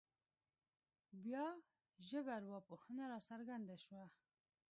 بیا ژبارواپوهنه راڅرګنده شوه